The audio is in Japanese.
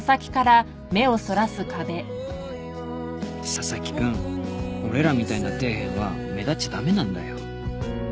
佐々木君俺らみたいな底辺は目立っちゃ駄目なんだよ